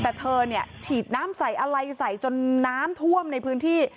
แต่เธอเนี่ยฉีดน้ำใส่อะไรใส่จนน้ำท่วมในพื้นที่